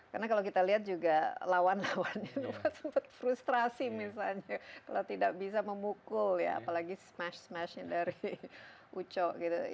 karena kalau kita lihat juga lawan lawannya sempat frustrasi misalnya kalau tidak bisa memukul ya apalagi smash smashnya dari uco gitu